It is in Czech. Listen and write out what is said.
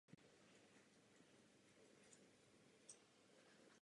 V takovém případě se hra vždy přeruší.